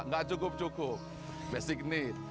gak cukup cukup basic need